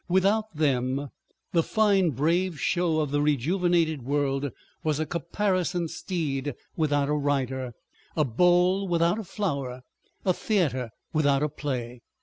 Without them the fine brave show of the rejuvenated world was a caparisoned steed without a rider, a bowl without a flower, a theater without a play.